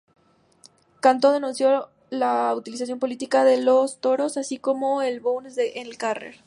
Cantó denunció la utilización política de los toros, así como los "bous al carrer".